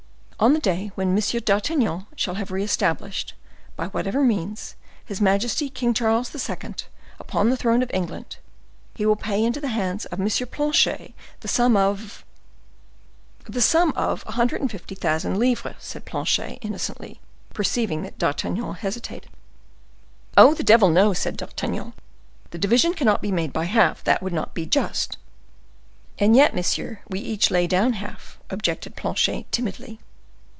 On the day when M. d'Artagnan shall have re established, by whatever means, his majesty King Charles II. upon the throne of England, he will pay into the hands of M. Planchet the sum of—" "The sum of a hundred and fifty thousand livres," said Planchet, innocently, perceiving that D'Artagnan hesitated. "Oh, the devil, no!" said D'Artagnan, "the division cannot be made by half; that would not be just." "And yet, monsieur, we each lay down half," objected Planchet, timidly.